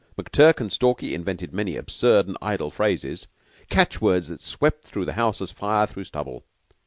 McTurk and Stalky invented many absurd and idle phrases catch words that swept through the house as fire through stubble.